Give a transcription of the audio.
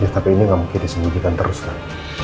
ya tapi ini gak mungkin disemujikan terus kan